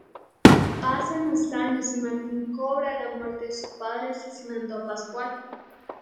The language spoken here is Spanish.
Pasan los años y Martín cobra la muerte de su padre asesinando a Pascual.